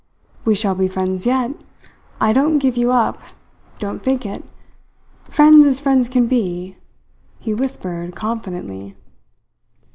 "We shall be friends yet. I don't give you up. Don't think it. Friends as friends can be!" he whispered confidently.